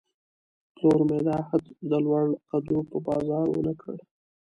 پلور مې د عهد، د لوړ قدو په بازار ونه کړ